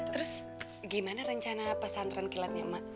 terus gimana rencana pesantren kilatnya mak